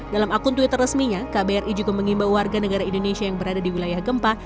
dalam akun twitter resminya kbri juga mengimbau warga negara indonesia yang berada di wilayah gempa